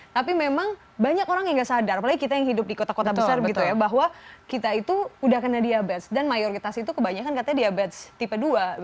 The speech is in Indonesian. tapi memang banyak orang yang nggak sadar apalagi kita yang hidup di kota kota besar gitu ya bahwa kita itu udah kena diabetes dan mayoritas itu kebanyakan katanya diabetes tipe dua